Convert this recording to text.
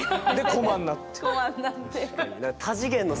駒になって。